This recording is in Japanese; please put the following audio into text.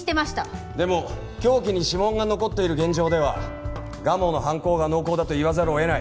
でも凶器に指紋が残っている現状では蒲生の犯行が濃厚だと言わざるを得ない。